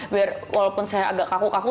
biar walaupun saya agak kaku kaku